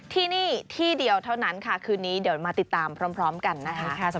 ที่นี่ที่เดียวเท่านั้นค่ะคืนนี้เดี๋ยวมาติดตามพร้อมกันนะคะ